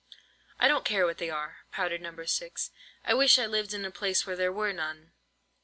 "I don't care what they are," pouted No. 6. "I wish I lived in a place where there were none."